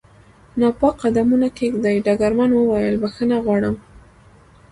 ناپاک قدمونه کېږدي، ډګرمن وویل: بخښنه غواړم.